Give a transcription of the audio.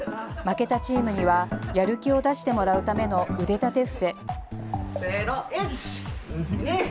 負けたチームにはやる気を出してもらうための腕立て伏せ。